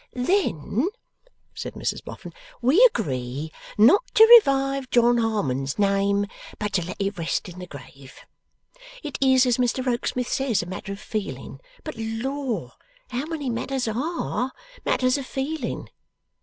'Then,' said Mrs Boffin, 'we agree not to revive John Harmon's name, but to let it rest in the grave. It is, as Mr Rokesmith says, a matter of feeling, but Lor how many matters ARE matters of feeling!